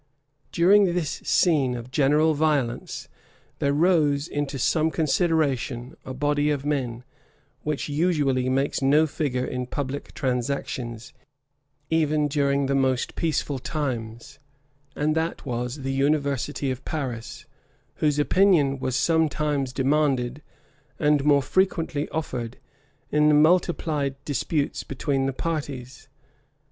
During this scene of general violence, there rose into some consideration a body of men, which usually makes no figure in public transactions, even during the most peaceful times; and that was the university of Paris, whose opinion was sometimes demanded, and more frequently offered, in the multiplied disputes between the parties.